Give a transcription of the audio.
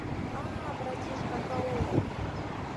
— А-а, братишка Кауров!